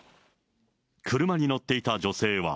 車に乗っていた女性は。